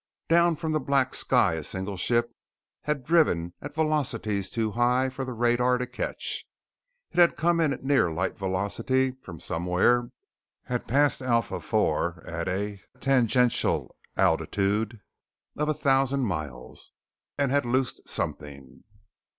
Down from the black sky a single ship had driven at velocities too high for the radar to catch. It had come at near light velocity from somewhere, had passed Alpha IV at a tangential altitude of a thousand miles and had loosened something.